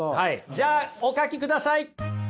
じゃあお書きください！